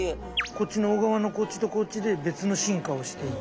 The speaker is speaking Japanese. こっちの小川のこっちとこっちで別の進化をしていて。